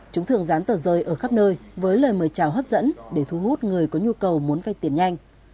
chúng thường dán tờ rơi ở khắp nơi với lời mời chào hấp dẫn để thu hút người có nhu cầu muốn vay tiền nhanh